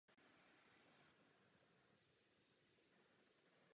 Musel také zaplatit rodině dívky odškodné plus náklady na pohřeb.